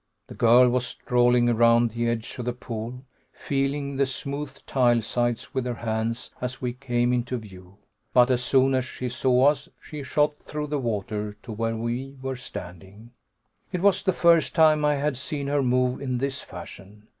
The girl was strolling around the edge of the pool, feeling the smooth tile sides with her hands as we came into view, but as soon as she saw us she shot through the water to where we were standing. It was the first time I had seen her move in this fashion.